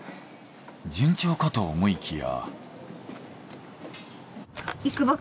順調かと思いきや。